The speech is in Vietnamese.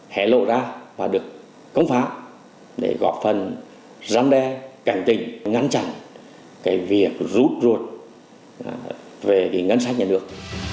hẻ lộ ra và được cống phá để góp phần giăn đe cảnh tỉnh ngăn chặn cái việc rút ruột về ngân sách nhà nước